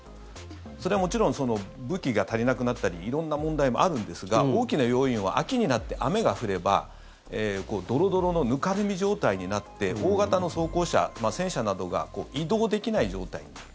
それはもちろん武器が足りなくなったり色んな問題もあるんですが大きな要因は秋になって雨が降ればドロドロのぬかるみ状態になって大型の装甲車、戦車などが移動できない状態になる。